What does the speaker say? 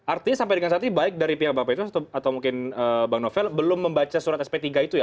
artinya sampai dengan saat ini baik dari pihak bapak petrus atau mungkin bang novel belum membaca surat sp tiga itu ya